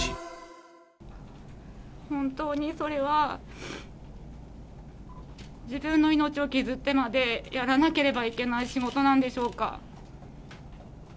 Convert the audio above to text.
本当にそれは、自分の命を削ってまでやらなければいけない仕事なんでしょうか。